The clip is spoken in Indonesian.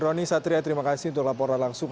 roni satria terima kasih untuk laporan langsung